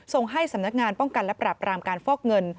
ส่งให้สำนักงานป้องกันและปรับรามการฟอกเงิน